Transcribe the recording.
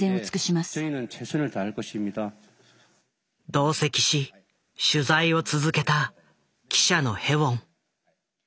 同席し取材を続けた記者のへウォン。